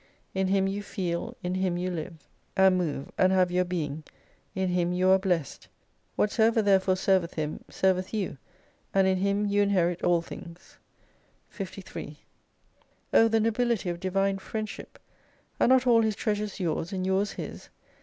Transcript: In Him you feel, in Him you live, 35 and move, and have your being, in Him you arc blessed. "Whatsoever therefore serveth Him, serveth you and in Him you inherit all things. 53 O the nobility of Divine Friendship ! Are not all His treasures yours, and yours His